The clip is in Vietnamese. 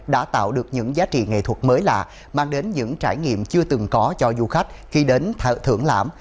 đã tạo được những giá trị nghệ thuật mới lạ mang đến những trải nghiệm chưa từng có cho du khách khi đến thưởng lãm